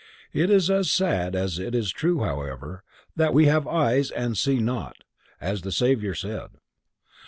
It is as sad as it is true however, that "we have eyes and see not," as the Savior said.